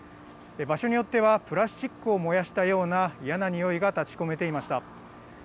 場所によってはプラスチックを燃やしたような嫌なにおいが立ちこめていました。